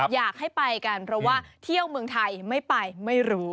อยากให้ไปกันเพราะว่าเที่ยวเมืองไทยไม่ไปไม่รู้